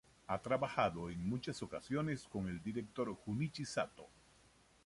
Ha trabajado en muchas ocasiones con el director Junichi Sato.